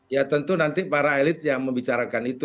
ya tentu nanti para elit yang membicarakan itu